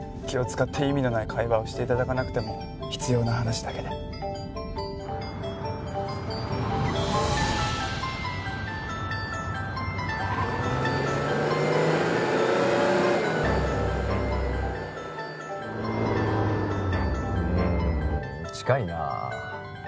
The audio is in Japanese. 気を使って意味のない会話をしていただかなくても必要な話だけでうん近いなあ